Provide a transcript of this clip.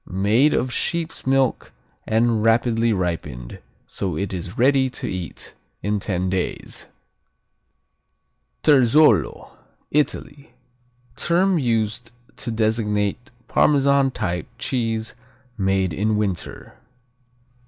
Made of sheep's milk and rapidly ripened, so it is ready to eat in ten days. Terzolo Italy Term used to designate Parmesan type cheese made in winter.